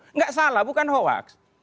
enggak salah bukan hoax